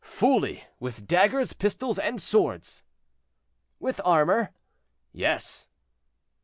"Fully; with daggers, pistols, and swords." "With armor?" "Yes."